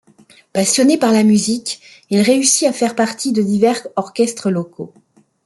Passionné par la musique il réussit à faire partie de divers orchestres locaux.